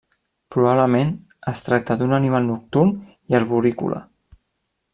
Probablement es tracta d'un animal nocturn i arborícola.